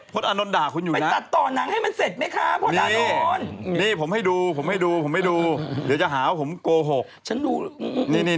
โป๊ตอานนท์ด่าร์หายคุณอยู่นะโอ๊ยมันตัดต่อหนังให้มันเสร็จไหมค่ะโป๊ตอานนท์